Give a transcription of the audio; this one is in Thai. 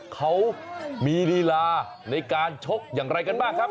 เขามีลีลาในการชกอย่างไรกันบ้างครับ